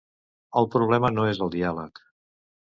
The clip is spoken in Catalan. El problema no és el diàleg.